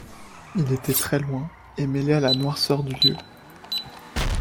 Il était très loin, et mêlé à la noirceur du lieu.